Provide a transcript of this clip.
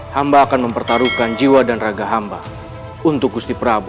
hamba akan mempertaruhkan jiwa dan raga hamba untuk gusti prabu